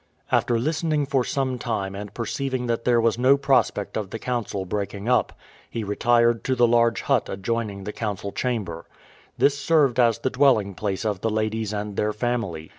After listening for some time and perceiving that there was no prospect of the council breaking up, he retired to the large hut adjoining the council chamber. This served as the dwelling place of the ladies and their family.